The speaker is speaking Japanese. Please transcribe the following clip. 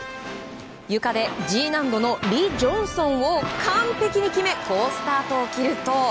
ゆかでＧ難度のリ・ジョンソンを完璧に決め好スタートを切ると。